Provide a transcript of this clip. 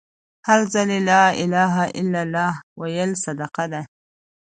هر ځل لا إله إلا لله ويل صدقه ده